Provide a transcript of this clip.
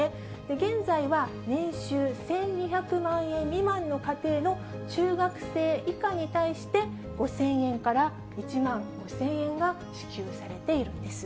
現在は、年収１２００万円未満の家庭の中学生以下に対して、５０００円から１万５０００円が支給されているんです。